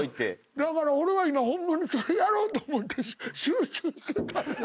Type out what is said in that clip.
だから俺は今ホンマにそれやろうと思って集中してたんや。